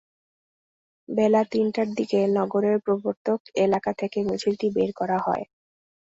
বেলা তিনটার দিকে নগরের প্রবর্তক এলাকা থেকে মিছিলটি বের করা হয়।